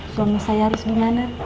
suami saya harus dimana